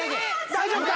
大丈夫か？